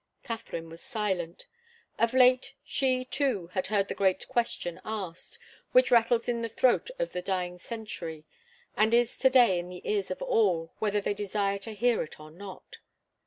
Katharine was silent. Of late, she, too, had heard the great question asked, which rattles in the throat of the dying century, and is to day in the ears of all, whether they desire to hear it or not.